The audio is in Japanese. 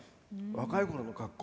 若い頃の格好？